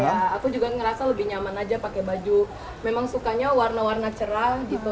ya aku juga ngerasa lebih nyaman aja pakai baju memang sukanya warna warna cerah gitu